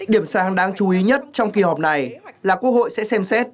điểm sáng đáng chú ý nhất trong kỳ họp này là quốc hội sẽ xem xét